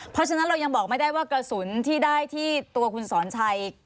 เพราะฉะนั้นเรายังบอกไม่ได้ว่ากระสุนที่ได้ที่ตัวคุณสอนชัย